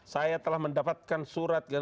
saya telah mendapatkan surat